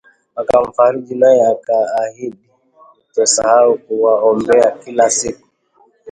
Wakamfariji, naye akaahidi kutosahau kuwaombea kila siku